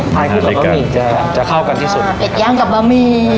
ถ้าคิดเราก็มีจะจะเข้ากันที่สุดอ่าเป็ดย่างกับบะมี